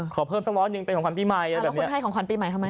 ขอเพิ่มสักร้อยหนึ่งเป็นของขวัญปีใหม่แล้วคุณให้ของขวัญปีใหม่ทำไม